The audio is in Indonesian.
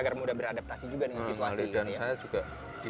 agar mudah beradaptasi juga dengan situasi ini